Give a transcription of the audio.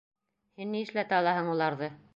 Һин ни эшләтә алаһың уларҙы?